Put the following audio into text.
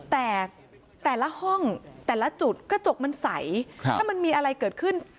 แต่แต่ละห้องแต่ละจุดกระจกมันใสถ้ามันมีอะไรเกิดขึ้น